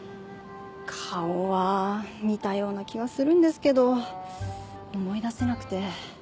顔は見たような気はするんですけど思い出せなくて。